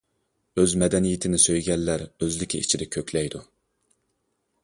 ئۆز مەدەنىيىتىنى سۆيگەنلەر ئۆزلۈكى ئىچىدە كۆكلەيدۇ!